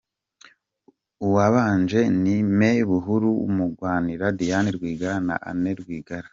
Uwabanje ni Me Buhuru wunganira Diane Rwigara na Anne Rwigara.